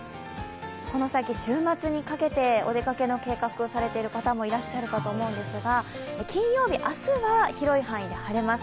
この先、週末にかけてお出かけの計画されている方もいらっしゃると思うんですが金曜日、明日は広い範囲で晴れます。